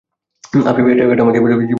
আফিফ: এটা আমার জীবনের সবচেয়ে স্মরণীয় ম্যাচ।